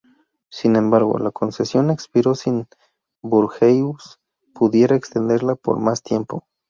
Sin embargo, la concesión expiró sin que Bourgeois pudiera extenderla por más tiempo.